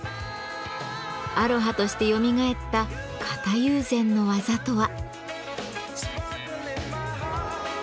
アロハとしてよみがえった型友禅の技とは？